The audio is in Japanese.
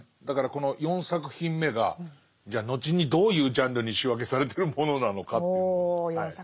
だからこの４作品目がじゃあ後にどういうジャンルに仕分けされてるものなのかという。